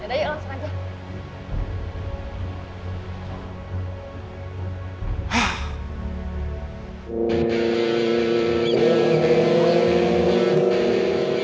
yaudah yuk langsung aja